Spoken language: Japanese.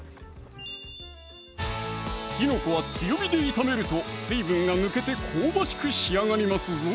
きのこは強火で炒めると水分が抜けて香ばしく仕上がりますぞ